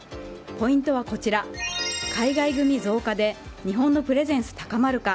ポイントはこちら、海外組増加で日本のプレゼンス高まるか。